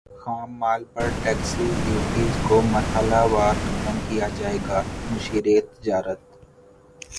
خام مال پر ٹیکسز ڈیوٹیز کو مرحلہ وار ختم کیا جائے گا مشیر تجارت